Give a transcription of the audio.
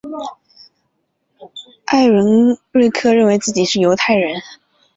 艾伦瑞克认为自己是犹太人。